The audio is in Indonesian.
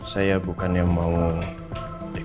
saya sedang pengalaman